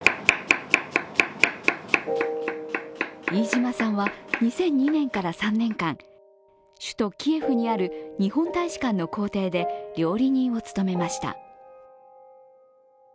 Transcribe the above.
飯島さんは２００２年から３年間首都キエフにある日本大使館の公邸で料理人を務めました。